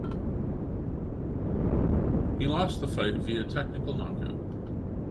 He lost the fight via technical knockout.